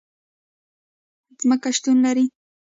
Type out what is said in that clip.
ځمکه شتون لري